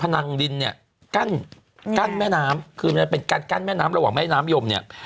นังดินเนี่ยกั้นแม่น้ำคือมันเป็นกั้นแม่น้ำระหว่างแม่น้ำยมเนี่ย